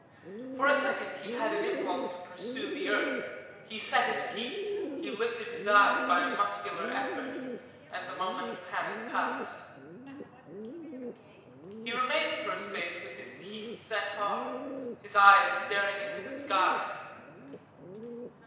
For a second he had an impulse to pursue the earth. He set his teeth, he lifted his eyes by a muscular effort, and the moment of panic passed. He remained for a space with his teeth set hard, his eyes staring into the sky.